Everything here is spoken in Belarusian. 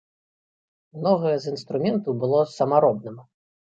Многае з інструменту было самаробным.